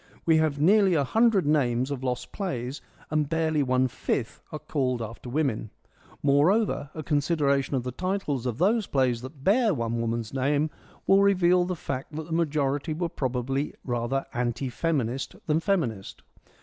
We have nearly a hundred names of lost plays, and barely one fifth are called after women. Moreover, 84 FEMINISM IN GREEK LITERATURE a consideration of the titles of those plays that bear one woman's name will reveal the fact that the major ity were probably rather anti feminist than feminist.